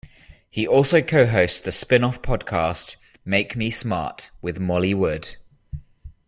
He also co-hosts the spinoff podcast "Make Me Smart" with Molly Wood.